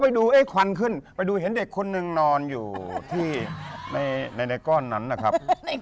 ไปดูไอ้ควันขึ้นไปดูเห็นเด็กคนหนึ่งนอนอยู่ที่ในก้อนนั้นนะครับ